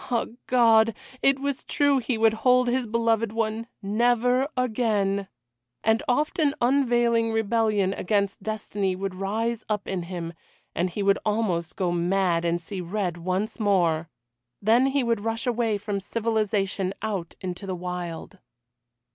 Ah! God! it was true he would hold his beloved one never again. And often unavailing rebellion against destiny would rise up in him, and he would almost go mad and see red once more. Then he would rush away from civilisation out into the wild.